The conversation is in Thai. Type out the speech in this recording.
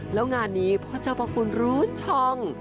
แล้วงานนี้พ่อเจ้าพระคุณรู้ช่อง